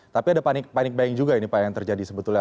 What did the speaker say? tapi ada panik buying juga ini pak yang terjadi sebetulnya